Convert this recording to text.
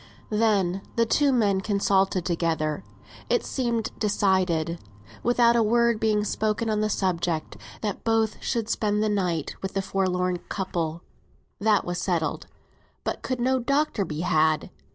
Then the two men consulted together. It seemed decided, without a word being spoken on the subject, that both should spend the night with the forlorn couple; that was settled. But could no doctor be had?